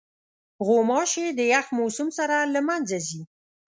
غوماشې د یخ موسم سره له منځه ځي.